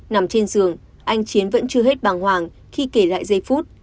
nằm trên giường anh chiến vẫn chưa hết bàng hoàng khi kể lại giây phút